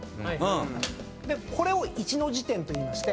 でこれを一の字点といいまして。